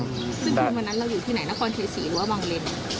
วันนั้นเราอยู่ที่ไหนนะครับพรเทศรีหรือว่าบางเลน